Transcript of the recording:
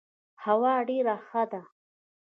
هوا ډيره ښه ده.